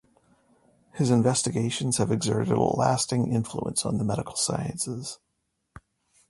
His investigations have exerted a lasting influence on the medical sciences.